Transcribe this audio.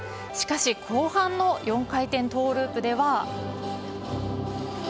しかし、後半の４回転トウループでは。